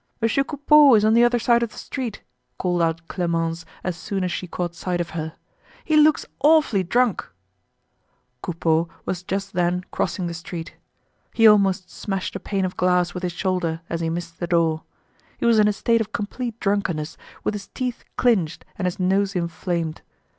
"Monsieur Coupeau is on the other side of the street," called out Clemence as soon as she caught sight of her. "He looks awfully drunk." Coupeau was just then crossing the street. He almost smashed a pane of glass with his shoulder as he missed the door. He was in a state of complete drunkenness, with his teeth clinched and his nose inflamed.